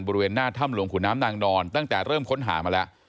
บริเวณหน้าถ้ำหลวงขุนน้ำนางนอนตั้งแต่เริ่มค้นหามาแล้ว